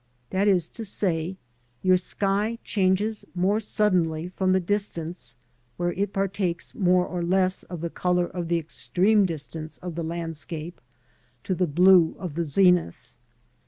That is to say, your sky changes more suddenly from the distance (where it partakes more or less of the colour of the extrieme distance of the landscape) to the blue of the zenith.